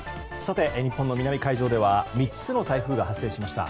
日本の南海上では３つの台風が発生しました。